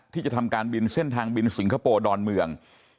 ที่จะทำการบินเส้นทางบินสิงคโปร์ดอนเมือง